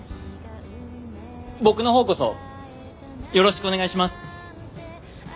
僕の方こそよろしくお願いします。